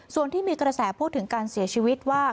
ส่วนที่มีกระแสพูดถึงการเสียชีวิตว่า